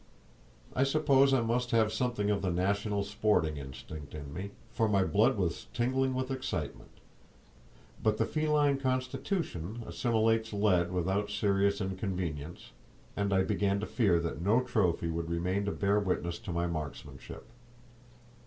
I suppose I must have something of the national sporting instinct in me, for my blood was tingling with excitement; but the feline constitution assimilates lead without serious inconvenience, and I began to fear that no trophy would remain to bear witness to my marksmanship.